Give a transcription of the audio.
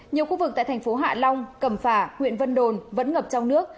nhiều khu vực tại thành phố hạ long cẩm phả huyện vân đồn vẫn ngập trong nước